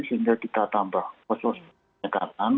sehingga kita tambah proses penyekatan